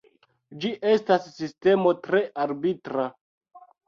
Ĝi estas sistemo tre arbitra.